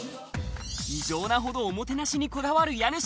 異常なほど、おもてなしにこだわる家主。